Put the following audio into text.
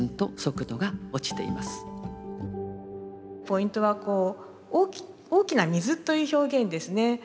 ポイントは「大きな水」という表現ですね。